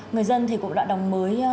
người dân thì cũng đoạn đồng mới